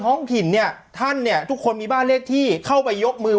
ท้องถิ่นเนี่ยท่านเนี่ยทุกคนมีบ้านเลขที่เข้าไปยกมือ